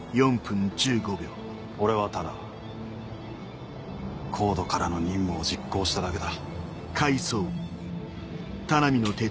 俺はただＣＯＤＥからの任務を実行しただけだ。